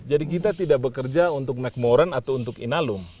jadi kita tidak bekerja untuk macmoran atau untuk inalum